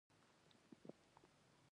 دوی منابع او بشري ځواک لري.